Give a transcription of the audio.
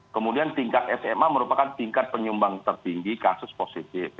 kemudian tingkat sma merupakan tingkat penyumbang tertinggi kasus positif